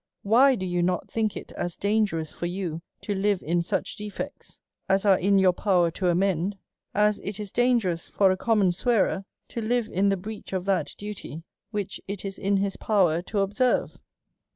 Why do you not think it as dangerous for you to live in such defects as are in your power to amend, as it is dangerous for a common swearer to live in the breach of that duty which it is in his power to observe